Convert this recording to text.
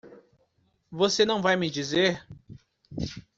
Você não vai me dizer?